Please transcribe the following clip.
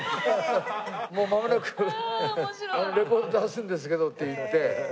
「もうまもなくレコード出すんですけど」って言って。